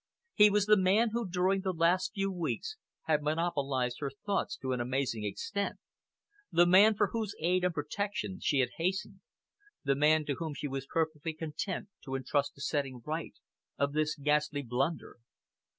He was the man who during the last few weeks had monopolised her thoughts to an amazing extent, the man for whose aid and protection she had hastened, the man to whom she was perfectly content to entrust the setting right of this ghastly blunder.